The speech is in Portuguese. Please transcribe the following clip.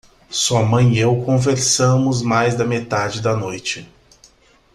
Sua mãe e eu conversamos mais da metade da noite.